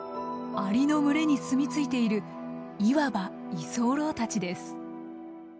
アリの群れにすみついているいわば居候たちです。